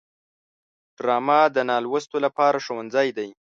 ډرامه د نالوستو لپاره ښوونځی دی